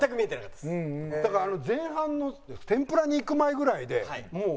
だから前半の天ぷらにいく前ぐらいでもう。